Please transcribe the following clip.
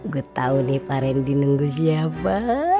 gue tau nih pak rendy nunggu siapa